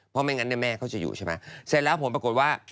เพราะไม่งั้นเนี่ยแม่เขาจะอยู่ใช่ไหมเสร็จแล้วผลปรากฏว่า